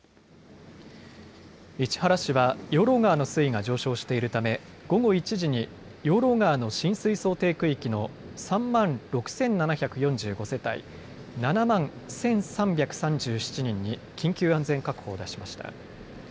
市原市は養老川の水位が上昇しているため午後１時に養老川の浸水想定区域の３万６７４５世帯７万１３３７人に緊急安全確保を出しました。